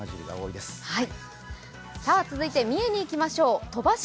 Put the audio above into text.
続いて三重にいきましょう、鳥羽市